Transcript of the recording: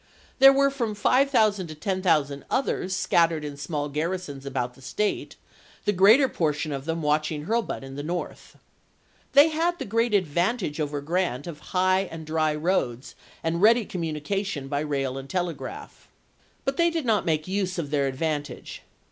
There were from 5000 to chap.vi 10,000 others scattered in small garrisons about the State; the greater portion of them watching Hurlbut in the North. They had the great ad vantage over Grant of high and dry roads and ready communication by rail and telegraph. But they did not make use of their advantage.